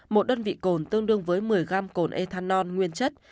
một đơn vị cồn tương đương với một mươi gram cồn ethanol nguyên chất